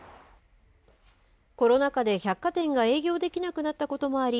コロナ禍で百貨店が営業できなくなったこともあり